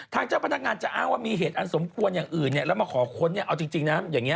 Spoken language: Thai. เจ้าพนักงานจะอ้างว่ามีเหตุอันสมควรอย่างอื่นแล้วมาขอค้นเนี่ยเอาจริงนะอย่างนี้